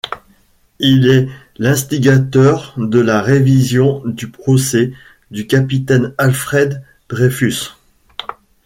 Il est l'instigateur de la révision du procès du capitaine Alfred Dreyfus.